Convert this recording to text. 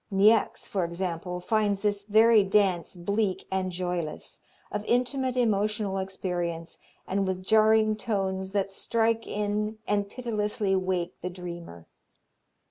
Niecks, for example, finds this very dance bleak and joyless, of intimate emotional experience, and with "jarring tones that strike in and pitilessly wake the dreamer."